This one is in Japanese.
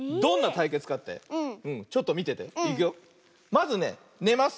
まずねねます。